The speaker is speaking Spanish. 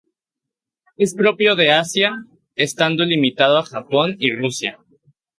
Es propio de Asia, estando limitado a Japón y Rusia.